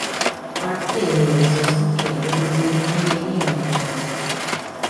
Part of the area was also located within the Cumania region.